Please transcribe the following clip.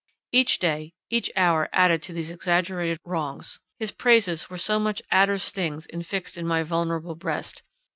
Each day, each hour added to these exaggerated wrongs. His praises were so many adder's stings infixed in my vulnerable breast.